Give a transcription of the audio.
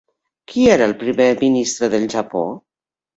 Qui era el Primer ministre del Japó?